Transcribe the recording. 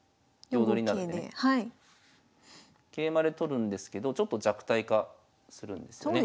桂馬で取るんですけどちょっと弱体化するんですね。